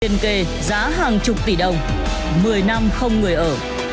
tiền kê giá hàng chục tỷ đồng một mươi năm không người ở